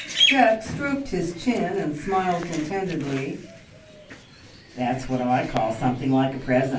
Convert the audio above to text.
Jack stroked his chin, and smiled contentedly. "That's what I call something like a present!